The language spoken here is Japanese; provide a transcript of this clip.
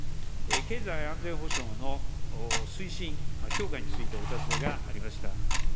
経済安全保障の推進・強化についてお尋ねがありました。